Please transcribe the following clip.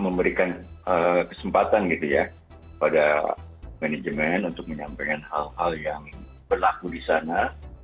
memberikan kesempatan gitu ya pada manajemen untuk menyampaikan hal hal yang berlaku di sana